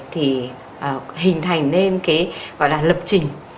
thì hình thành nên cái gọi là lập trình